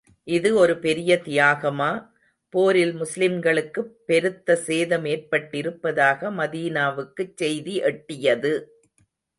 இது ஒரு பெரிய தியாகமா? போரில் முஸ்லிம்களுக்குப் பெருத்த சேதம் ஏற்பட்டிருப்பதாக மதீனாவுக்குச் செய்தி எட்டியது.